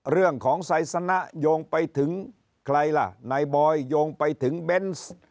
เรื่องของไซสนะโยงไปถึงใครล่ะนายบอยโยงไปถึงเบนส์